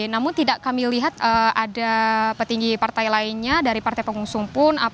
namun tidak kami lihat ada petinggi partai lainnya dari partai pengusung pun